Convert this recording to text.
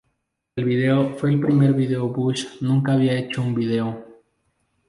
El video fue el primer video Bush nunca había hecho un video.